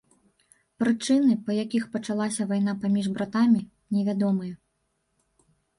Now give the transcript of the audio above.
Прычыны, па якіх пачалася вайна паміж братамі, невядомыя.